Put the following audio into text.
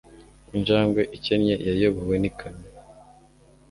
Injangwe ikennye yayobowe n'ikamyo